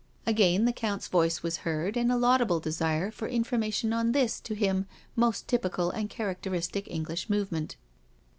Again the Count's voice was heard in a laudable desire for information on this, to him, most typical and characteristic English movement.